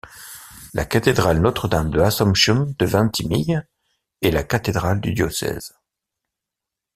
La cathédrale Notre-Dame-de-Assomption de Vintimille est la cathédrale du diocèse.